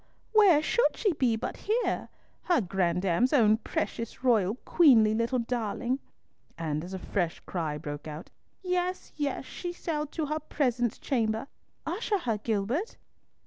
Where should she be but here? Her grandame's own precious, royal, queenly little darling!" and as a fresh cry broke out, "Yes, yes; she shall to her presence chamber. Usher her, Gilbert."